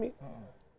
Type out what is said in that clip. itu bukan tugas kami